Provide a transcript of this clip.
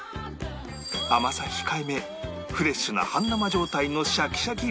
甘さ控えめフレッシュな半生状態のシャキシャキりんご